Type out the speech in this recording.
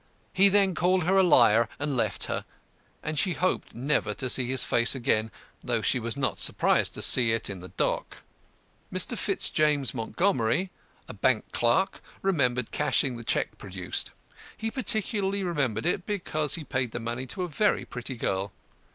He then called her a liar and left her, and she hoped never to see his face again, though she was not surprised to see it in the dock. Mr. FITZJAMES MONTGOMERY, a bank clerk, remembered cashing the cheque produced. He particularly remembered it, because he paid the money to a very pretty girl.